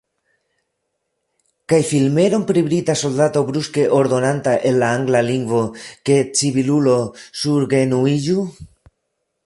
Kaj filmeron pri brita soldato bruske ordonanta en la angla lingvo, ke civilulo surgenuiĝu?